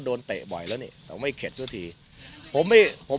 เตะบ่อยแล้วนี่แต่ไม่เข็ดซะทีผมไม่ผม